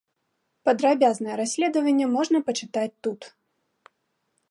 Падрабязнае расследаванне можна пачытаць тут.